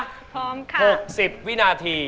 ซิริพร้อมนะพร้อมค่ะ๖๐วินาที